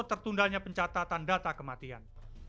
tertundanya pencatatan data kematian